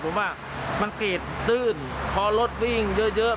น่ะคือว่ามันเกรดตื้นพอรถวิ่งเยอะ